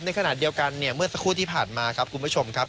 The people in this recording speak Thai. ในขณะเดียวกันเนี่ยเมื่อสักครู่ที่ผ่านมาครับคุณผู้ชมครับ